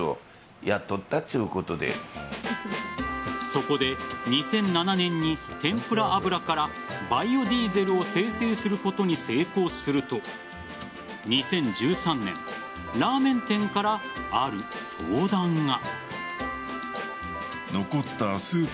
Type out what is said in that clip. そこで２００７年に天ぷら油からバイオディーゼルを精製することに成功すると２０１３年ラーメン店からある相談が。